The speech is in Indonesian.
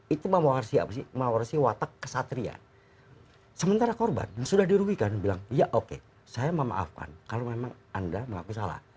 itu memawarisi apa sih memawarisi watak kesatria sementara korban sudah dirugikan bilang ya oke saya memaafkan kalau memang anda memaafkan salah